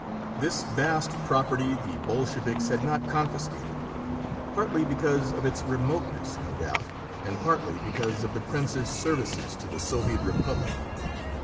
This vast property the Bolsheviks had not confiscated, partly because of its remoteness, no doubt, and partly because of the prince's services to the Soviet Republic.